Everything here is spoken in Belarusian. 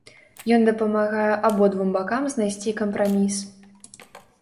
Ён дапамагае абодвум бакам знайсці кампраміс.